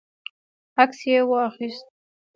عکس یې واخیست.